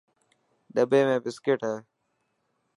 ڏٻي ۾ بسڪٽ هي.